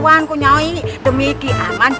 wanku nyai demi ke aman